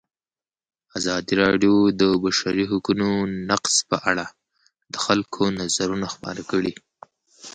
ازادي راډیو د د بشري حقونو نقض په اړه د خلکو نظرونه خپاره کړي.